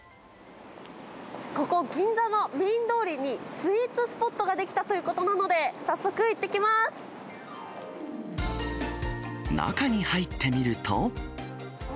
ここ、銀座のメイン通りにスイーツスポットが出来たということなので、中に入ってみると。